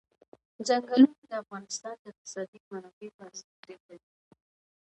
ځنګلونه د افغانستان د اقتصادي منابعو ارزښت زیاتوي.